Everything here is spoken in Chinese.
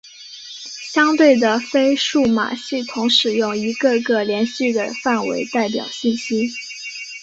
相对的非数码系统使用一个个连续的范围代表信息。